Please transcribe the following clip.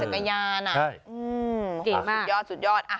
เก่งมากสุดยอด